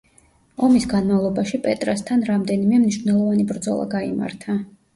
ომის განმავლობაში პეტრასთან რამდენიმე მნიშვნელოვანი ბრძოლა გაიმართა.